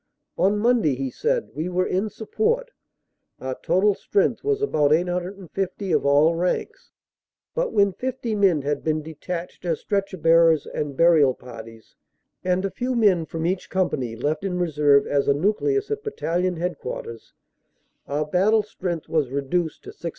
"On Monday," he said, "we were in support. Our total strength was about 850 of all ranks, but when fifty men had been detached as stretcher bearers and burial parties, and a few men from each company left in reserve as a nucleus at Battalion Headquarters, our battle strength was reduced to 675.